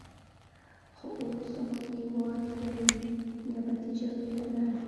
خو اوس زموږ هېواد د یوې نیابتي جګړې ډګر دی.